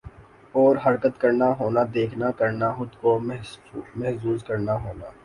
اور حرکت کرنا ہونا دیکھنا کرنا خود کو محظوظ کرنا ہونا